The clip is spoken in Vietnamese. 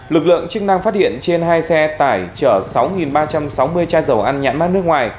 lực lượng chức năng phát hiện trên hai xe tải chở sáu ba trăm sáu mươi chai dầu ăn nhãn mát nước ngoài